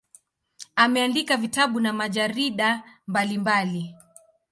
Ameandika vitabu na majarida mbalimbali.